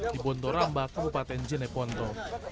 di bontoramba kabupaten jeneponto